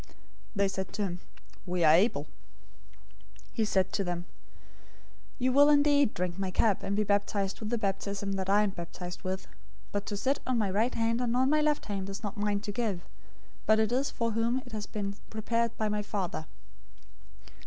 They said to him, "We are able." 020:023 He said to them, "You will indeed drink my cup, and be baptized with the baptism that I am baptized with, but to sit on my right hand and on my left hand is not mine to give; but it is for whom it has been prepared by my Father."